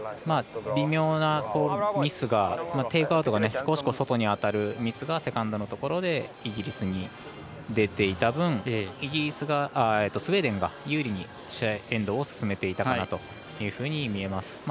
微妙なミスがテイクアウトが少し外に当たるミスがセカンドのところでイギリスに出ていた分スウェーデンが有利にエンドを進めていたかなというふうに見えます。